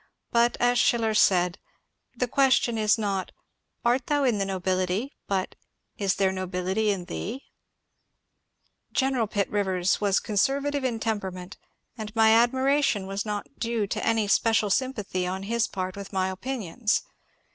But, as Schiller said, " The question is not, art thou in the nobility, but, is there nobility in thee ?" General Pitt Rivers was conservative in temperament, and my admiration was not due to any special sympathy on his part with my opinions.